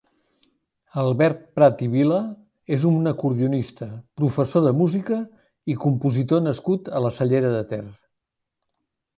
Albert Prat i Vila és un acordionista, professor de música i compositor nascut a la Cellera de Ter.